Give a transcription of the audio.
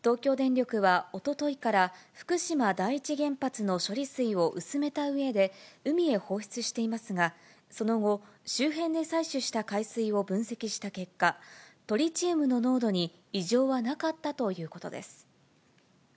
東京電力はおとといから福島第一原発の処理水を薄めたうえで海へ放出していますが、その後、周辺で採取した海水を分析した結果、トリチウムの濃度に異常はなかったということです。